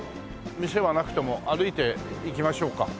店はなくても歩いて行きましょうか。